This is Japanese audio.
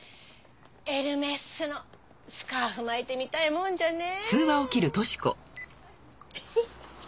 エルメスのスカーフ巻いてみたいもんじゃねえ。